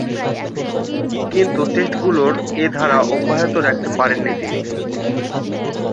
কিন্তু, টেস্টগুলোয় এ ধারা অব্যাহত রাখতে পারেননি তিনি।